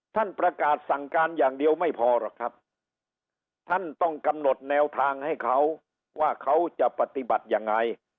ท่านประกาศสั่งการอย่างเดียวไม่พอหรอกครับท่านต้องกำหนดแนวทางให้เขาว่าเขาจะปฏิบัติยังไง